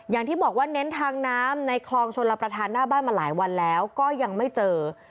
อย่างที่บอกว่าเน้นทางน้ำในคลองชนรับประทานหน้าบ้านมาหลายวันแล้วก็ยังไม่เจอ